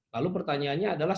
lalu pertanyaannya adalah